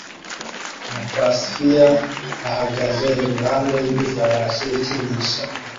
na pacifier ahagaze iruhande rwifarashi ikinisha